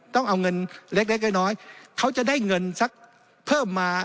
ต้องเอาเงินเล็กน้อยเขาจะได้เงินสักเพิ่มมา